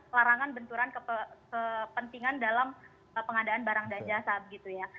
larangan benturan kepentingan dalam pengadaan barang dan jasa begitu ya